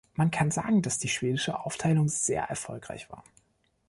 Man kann sagen, dass die schwedische Aufteilung sehr erfolgreich war.